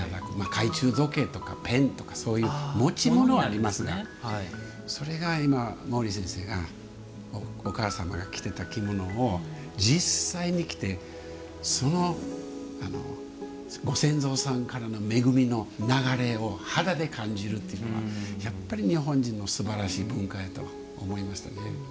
懐中時計とかペンとか持ち物はありますがそれが今、毛利先生がお母様が着てた着物を実際に着てそのご先祖さんからの恵みの流れを肌で感じるっていうのがやっぱり日本人のすばらしい文化だと思いましたね。